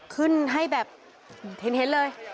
ขึ้นให้แบบเห็นเลย